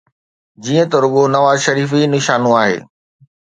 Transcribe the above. جيئن ته رڳو نواز شريف ئي نشانو آهي.